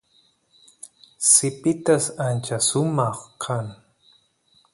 sipitas ancha sumaq kan